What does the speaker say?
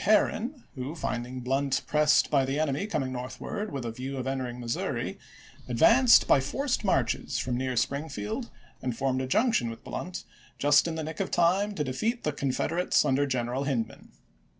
Herron, who, finding Blunt pressed by the enemy coming north ward with a view of entering Missouri, advanced by forced marches from near Springfield and formed a junction with Blunt just in the nick of time to defeat the Confederates under Greneral Hindman.